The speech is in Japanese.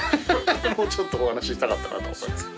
もうちょっとお話ししたかったなと思います。